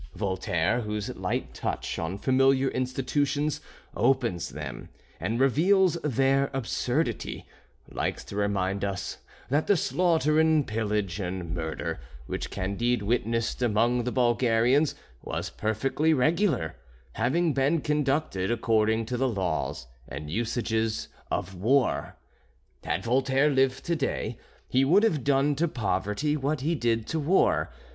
Voltaire, whose light touch on familiar institutions opens them and reveals their absurdity, likes to remind us that the slaughter and pillage and murder which Candide witnessed among the Bulgarians was perfectly regular, having been conducted according to the laws and usages of war. Had Voltaire lived to day he would have done to poverty what he did to war.